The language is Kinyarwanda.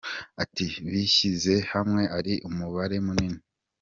Ati « Bishyize hamwe ari umubare munini.